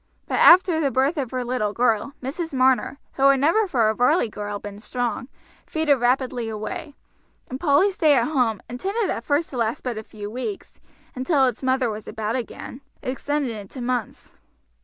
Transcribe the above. But after the birth of her little girl Mrs. Marner, who had never for a Varley girl been strong, faded rapidly away; and Polly's stay at home, intended at first to last but a few weeks, until its mother was about again, extended into months.